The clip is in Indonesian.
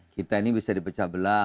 kita ini bisa dipecah belah